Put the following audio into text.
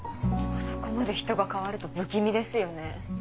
あそこまで人が変わると不気味ですよね。